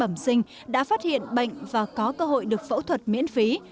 trẻ em bẩm sinh đã phát hiện bệnh và có cơ hội được phẫu thuật miễn phí